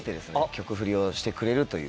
曲フリをしてくれるという。